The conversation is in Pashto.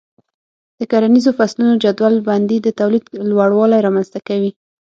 د کرنیزو فصلونو جدول بندي د تولید لوړوالی رامنځته کوي.